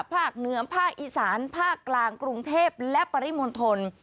ภาคเหนือภาคอีสานภาคกลางกรุงเทพและปริมณฑล